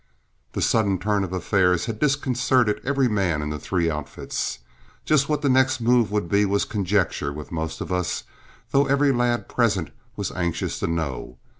The sudden turn of affairs had disconcerted every man in the three outfits. Just what the next move would be was conjecture with most of us, though every lad present was anxious to know.